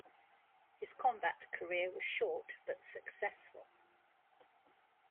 His combat career was short but successful.